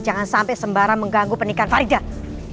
jangan sampai sembara mengganggu peningkan paridas